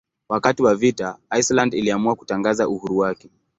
Wakati wa vita Iceland iliamua kutangaza uhuru wake.